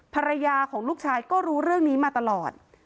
ภรรยาของลูกชายก็รู้เรื่องนี้มาตลอด